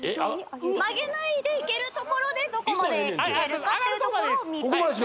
曲げないでいけるところでどこまでいけるかっていうところをみるんですね